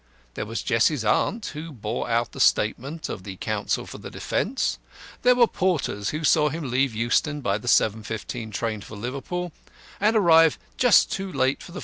There was Jessie's aunt, who bore out the statement of the counsel for the defence. There were the porters who saw him leave Euston by the 7.15 train for Liverpool, and arrive just too late for the 5.